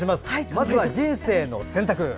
まずは「人生の選択」。